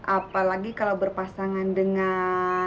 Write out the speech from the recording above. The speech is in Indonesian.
apalagi kalau berpasangan dengan